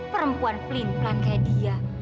perempuan pelin pelan kayak dia